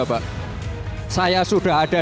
pak saya sudah ada